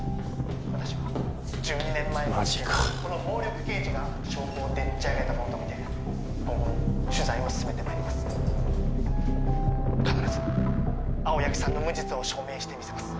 私は１２年前のマジかこの暴力刑事が証拠をでっちあげたものと見て今後も取材を進めてまいります必ず青柳さんの無実を証明してみせます